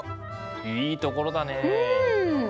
いいところだね。